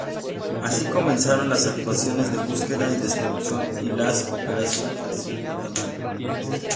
Así comenzaron las actuaciones de "búsqueda y destrucción" y las operaciones de cierto tamaño.